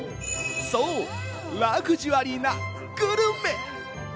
そう、ラグジュアリーなグルメ。